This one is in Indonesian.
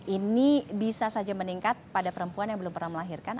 ini bisa saja meningkat pada perempuan yang belum pernah melahirkan